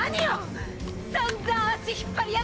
さんざん足引っ張りやがって！！